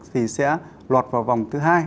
thì sẽ lọt vào vòng thứ hai